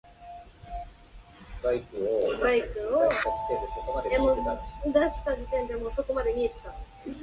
私の方を見ては、何かしきりに相談しているようでしたが、ついに、その一人が、上品な言葉で、何か呼びかけました。